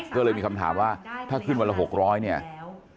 ก็เลยมีคำถามว่าถ้าขึ้นวันละ๖๐๐เนี่ย